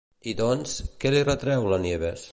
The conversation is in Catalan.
I doncs, què li retreu la Nieves?